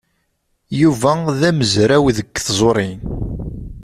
Yuba d amezraw deg tẓuṛi.